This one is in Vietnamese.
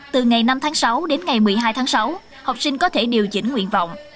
từ ngày năm tháng sáu đến ngày một mươi hai tháng sáu học sinh có thể điều chỉnh nguyện vọng